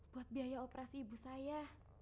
buat biaya operasi ibu saya